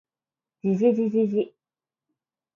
じじじじじ